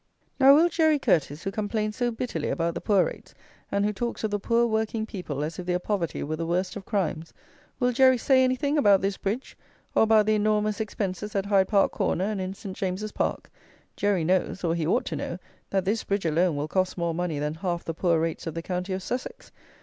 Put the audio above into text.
Now will Jerry Curteis, who complains so bitterly about the poor rates, and who talks of the poor working people as if their poverty were the worst of crimes; will Jerry say anything about this bridge, or about the enormous expenses at Hyde Park Corner and in St. James's Park? Jerry knows, or he ought to know, that this bridge alone will cost more money than half the poor rates of the county of Sussex.